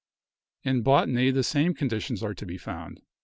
In botany the same conditions are to be found.